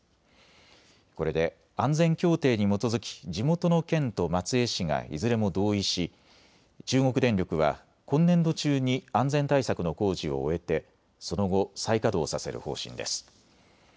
これで安全協定に基づき地元の県と松江市がいずれも同意し、中国電力は今年度中に安全対策の工事を終えてその後、再稼働させる方針です。